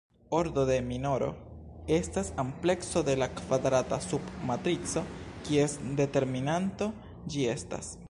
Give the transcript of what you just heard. Ordo de minoro estas amplekso de la kvadrata sub-matrico kies determinanto ĝi estas.